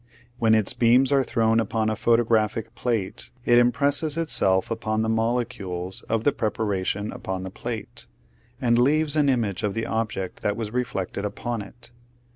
When its beams are thrown upon a photographic plate it impresses itself upon the molecules of the preparation upon the plate, and leaves an image of the object that was reflected upon it.